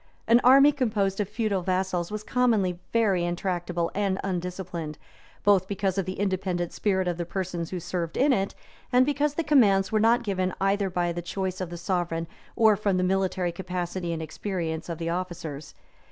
An army composed of feudal vassals was commonly very intractable and undisciplined, both because of the independent spirit of the persons who served in it, and because the commands were not given either by the choice of the sovereign or from the military capacity and experience of the officers.